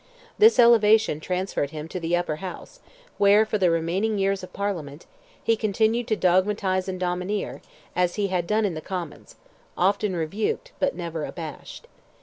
This elevation transferred him to the Upper House, where, for the remaining years of the Parliament, he continued to dogmatize and domineer, as he had done in the Commons, often rebuked, but never abashed.